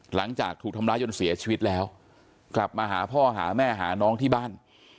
หลังจากถูกทำร้ายจนเสียชีวิตแล้วกลับมาหาพ่อหาแม่หาน้องที่บ้าน